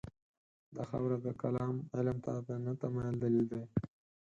دا خبره د کلام علم ته د نه تمایل دلیل دی.